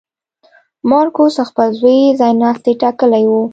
مارکوس خپل زوی ځایناستی ټاکلی و.